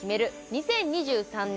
２０２３年